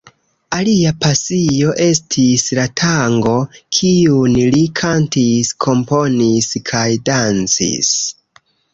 Alia pasio estis la tango, kiun li kantis, komponis kaj dancis.